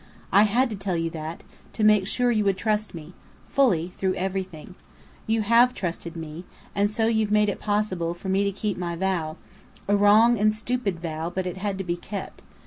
I had to tell you that, to make sure you would trust me fully, through everything. You have trusted me, and so you've made it possible for me to keep my vow a wrong and stupid vow, but it had to be kept.